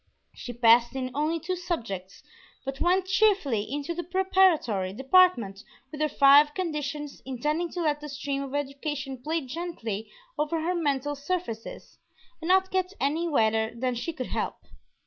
She passed in only two subjects, but went cheerfully into the preparatory department with her five "conditions," intending to let the stream of education play gently over her mental surfaces and not get any wetter than she could help.